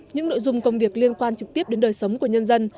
những nội dung công việc liên quan trực tiếp đến đời sống của nhân dân